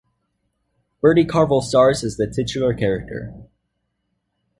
Bertie Carvel stars as the titular character.